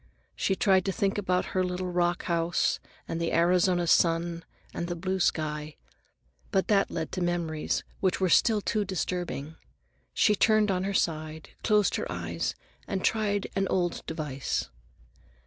She tried to think about her little rock house and the Arizona sun and the blue sky. But that led to memories which were still too disturbing. She turned on her side, closed her eyes, and tried an old device.